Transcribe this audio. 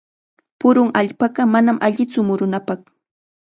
Purun allpaqa manam allitsu murunapaq.